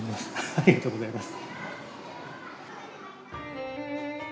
ありがとうございます。